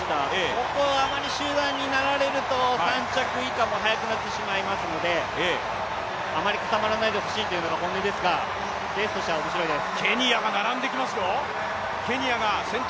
ここ、あまり集団になられると３着以下も速くなってしまいますのであまり固まらないでほしいというのが本音ですが、レースとしては面白いです。